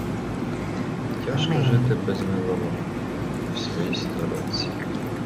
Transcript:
Тяжко жити без милого і в своїй сторонці!